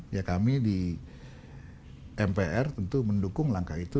ya kami di mpr tentu mendukung langkah itu